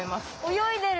泳いでる。